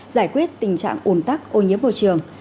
giải quyết tình trạng ồn tắc ô nhiễm môi trường